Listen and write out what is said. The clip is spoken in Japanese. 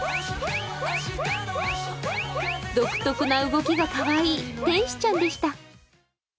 独特の動きがかわいい天使ちゃんでした。